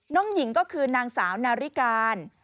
น้องหญิงก็คือนางสาวนาริการ